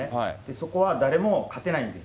そこは誰も勝てないんです。